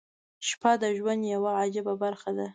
• شپه د ژوند یوه عجیبه برخه ده.